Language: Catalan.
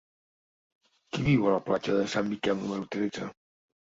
Qui viu a la platja de Sant Miquel número tretze?